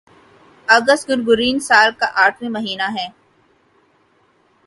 اگست Gregorian سال کا آٹھواں مہینہ ہے